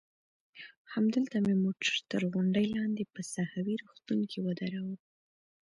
همدلته مې موټر تر غونډۍ لاندې په ساحوي روغتون کې ودراوه.